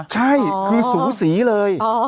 ใช่คือสูสีเลย